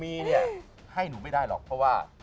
มีเนี่ยให้หนูไม่ได้หรอกเพราะว่า